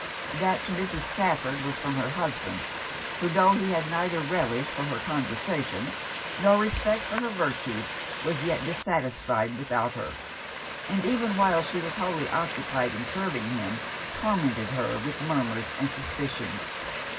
That to Mrs. Stafford was from her husband; who, tho' he had neither relish for her conversation nor respect for her virtues, was yet dissatisfied without her; and even while she was wholly occupied in serving him, tormented her with murmurs and suspicions.